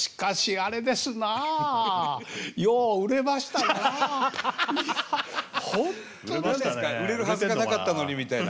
何ですか売れるはずがなかったのにみたいな。